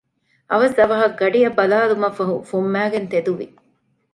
އަވަސް އަވަހަށް ގަޑިއަށް ބަލާލުމަށްފަހު ފުންމައިގެން ތެދުވި